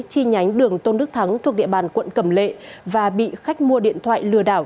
chi nhánh đường tôn đức thắng thuộc địa bàn quận cầm lệ và bị khách mua điện thoại lừa đảo